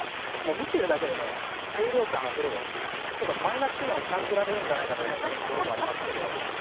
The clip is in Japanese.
見ているだけで清涼感あふれるマイナスイオンを感じられるんじゃないかというところがありますけど。